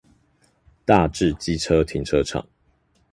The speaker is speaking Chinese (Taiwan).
大智機車停車場